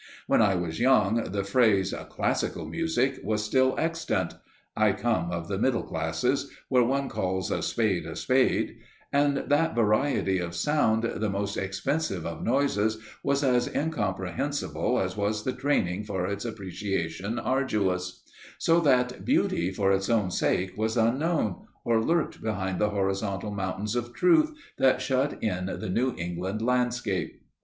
When I was young the phrase "classical music" was still extant (I come of the middle classes, where one calls a spade a spade), and that variety of sound, "the most expensive of noises," was as incomprehensible as was the training for its appreciation arduous; so that beauty for its own sake was unknown, or lurked behind the horizontal mountains of Truth that shut in the New England landscape.